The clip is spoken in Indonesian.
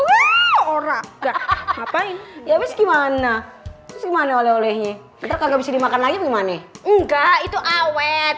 orang enggak ngapain iya gimana gimana oleh olehnya enggak bisa dimakan lagi gimana enggak itu awet